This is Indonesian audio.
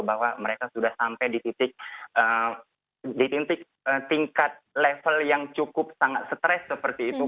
bahwa mereka sudah sampai di titik tingkat level yang cukup sangat stres seperti itu